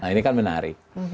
nah ini kan menarik